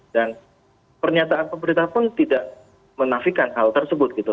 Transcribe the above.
dan pernyataan pemerintah pun tidak menafikan hal tersebut gitu